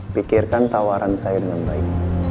pikirkan tawaran saya dengan baik